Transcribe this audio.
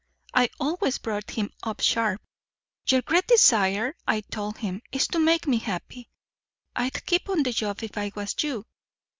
I always brought him up sharp. 'Your great desire,' I told him, 'is to make me happy. I'd keep on the job if I was you!'